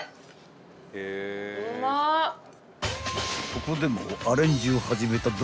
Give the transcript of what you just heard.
［ここでも］